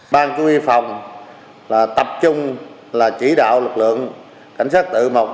ban chủ yếu phòng tập trung là chỉ đạo lực lượng cảnh sát tự một ba